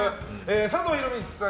佐藤弘道さん